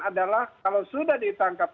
adalah kalau sudah ditangkap